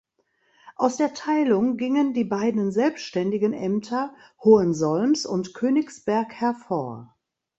Aus der Teilung gingen die beiden selbstständigen Ämter Hohensolms und Königsberg hervor.